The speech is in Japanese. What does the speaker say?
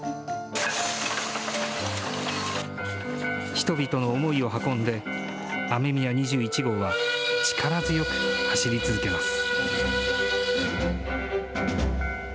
人々の思いを運んで、雨宮２１号は力強く走り続けます。